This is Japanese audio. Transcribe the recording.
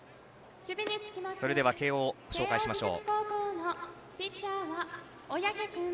それでは慶応を紹介しましょう。